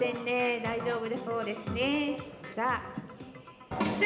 大丈夫そうですね。